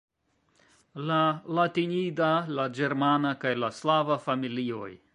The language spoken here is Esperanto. la latinida, la ĝermana kaj la slava familioj.